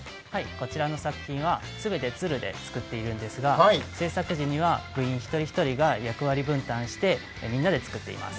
こちらの作品は全て鶴で作っているんですが制作時には部員ひとりひとりが役割分担してみんなで作っています。